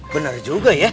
bener juga ya